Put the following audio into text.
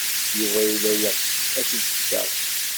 Yuba yella yeɣs ad t-id-iseɣ.